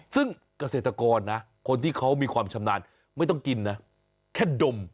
ซึ่งเกษตรกรนะคนที่เขามีความชำนาญไม่ต้องกินนะแค่ดม